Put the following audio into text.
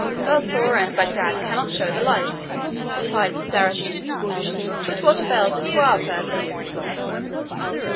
"Balsora and Bagdad cannot show the like," replied the Saracen; "but what avails it to our purpose?"